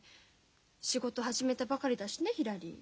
仕事始めたばかりだしねひらり。